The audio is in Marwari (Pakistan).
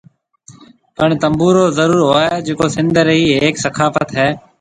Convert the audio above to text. پڻ تنبورو ضرور ھوئي جڪو سنڌ ري ھيَََڪ ثقافت ھيَََ